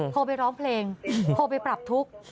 โทรไปร้องเพลงโทรไปปรับทุกข์